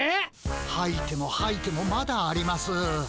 はいてもはいてもまだあります。